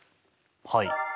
はい。